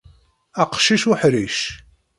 Aqcic uḥṛic.